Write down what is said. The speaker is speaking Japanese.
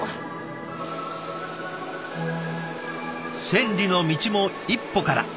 千里の道も一歩から。